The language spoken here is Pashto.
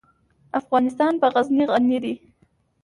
افغانستان په غزني غني دی.